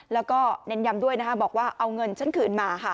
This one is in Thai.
แล้วก็เน้นย้ำด้วยนะคะบอกว่าเอาเงินฉันคืนมาค่ะ